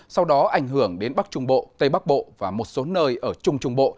sau đó ảnh hưởng đến bắc trung bộ tây bắc bộ và một số nơi ở trung trung bộ